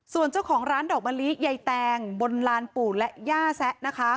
ส่วนเจ้าของร้านดอกมะลิใยแตงบนลานปู่และย่าแซะนะคะ